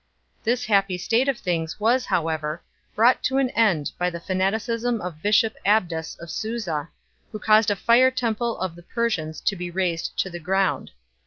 This happy state of things was however brought to an end by the fanaticism of bishop Abdas of Susa, who caused a fire temple of the Persians to be rased to the ground.